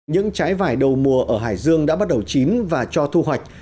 những trái vải đầu mùa ở hải dương đã bắt đầu chín và cho thu hoạch